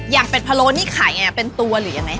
อย่างเป็ดพะโล้นี่ขายเป็นตัวหรือยังไง